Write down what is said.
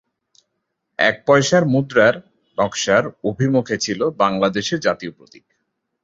এক পয়সার মুদ্রার নকশার অভিমুখে ছিল বাংলাদেশের জাতীয় প্রতীক।